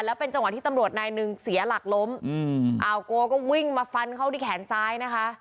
แล้วเป็นจังหวะที่ตำรวจนายหนึ่งเสียหลักล้มอืมอ่าวโกก็วิ่งมาฟันเข้าที่แขนซ้ายนะคะ